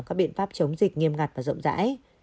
các biện pháp chống dịch nghiêm ngặt và rộng rãi